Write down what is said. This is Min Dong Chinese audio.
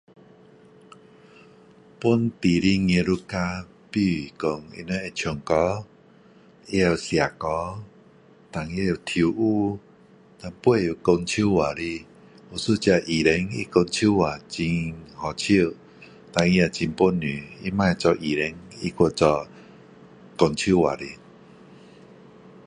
本地的艺术家比如说他们会写歌胆也会跳舞胆也会说笑话的一个医生他说笑话很好笑胆他本事他不要做医生他去做讲笑话的